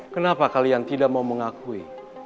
kenapa kalian tidak mau mengakui